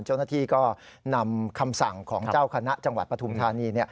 เจ้าหน้าที่ก็นำคำสั่งของเจ้าคณะจังหวัดปฐุมธานี